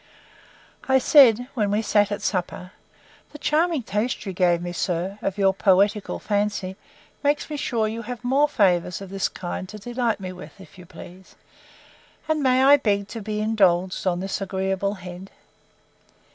I said, when we sat at supper, The charming taste you gave me, sir, of your poetical fancy, makes me sure you have more favours of this kind to delight me with, if you please; and may I beg to be indulged on this agreeable head?